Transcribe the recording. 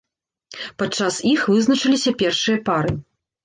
Падчас іх вызначаліся першыя пары.